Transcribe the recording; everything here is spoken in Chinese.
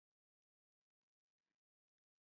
贞丰蹄盖蕨为蹄盖蕨科蹄盖蕨属下的一个种。